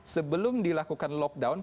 sebelum dilakukan lockdown